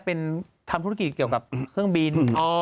เป็นทำธุรกิจเกี่ยวกับเครื่องบิน